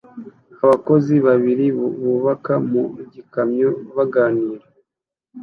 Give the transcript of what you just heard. Abakozi babiri bubaka mu gikamyo baganira